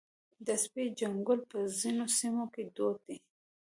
د سپي جنګول په ځینو سیمو کې دود دی.